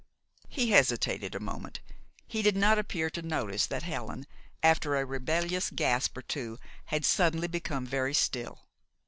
He hesitated a moment. He did not appear to notice that Helen, after a rebellious gasp or two, had suddenly become very still.